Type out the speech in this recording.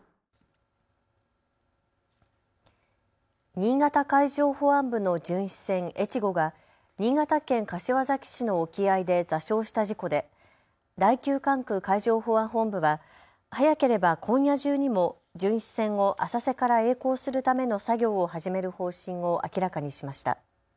新潟海上保安部の巡視船えちごが新潟県柏崎市の沖合で座礁した事故で第９管区海上保安本部は早ければ今夜中にも巡視船を浅瀬からえい航するための作業を始める方針を明らかにしました。